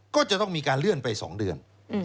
ก็จะต้องมีการเลื่อนไป๒เดือน